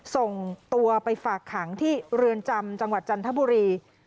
ส่งตัวไปฝากขังที่เรือนจำจังหวัดจันทบุรี